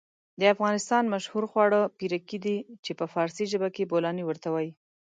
د افغانستان مشهور خواړه پيرکي دي چې په فارسي ژبه کې بولانى ورته وايي.